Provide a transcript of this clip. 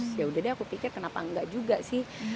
jadi yaudah deh aku pikir kenapa gak juga sih